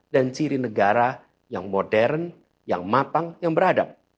dan ciri negara yang modern yang matang yang beradab